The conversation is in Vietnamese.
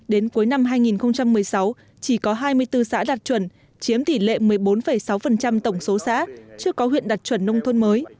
đến cuối năm hai nghìn một mươi sáu chỉ có hai mươi bốn xã đạt chuẩn chiếm tỷ lệ một mươi bốn sáu tổng số xã chưa có huyện đạt chuẩn nông thôn mới